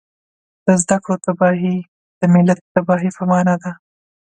د زده کړو تباهي د ملت د تباهۍ په مانا ده